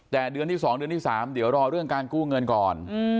แต่เดือนที่๒เดือนที่๓เดี๋ยวรอเรื่องการกู้เงินก่อน